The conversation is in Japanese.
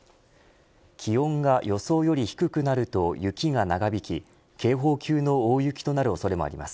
気温が予想より低くなると雪が長引き警報級の大雪となる恐れもあります。